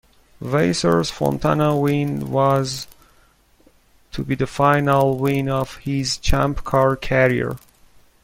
Vasser's Fontana win was to be the final win of his ChampCar career.